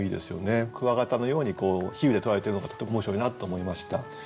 クワガタのように比喩で捉えてるのがとても面白いなと思いました。